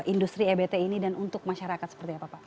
industri ebt ini dan untuk masyarakat seperti apa pak